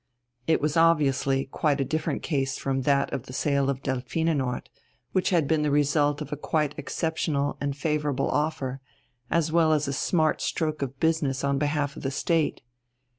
It was obviously quite a different case from that of the sale of Delphinenort, which had been the result of a quite exceptional and favourable offer, as well as a smart stroke of business on behalf of the State.